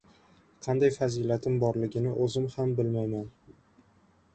Qanday fazilatim borligini o‘zim ham bilmayman.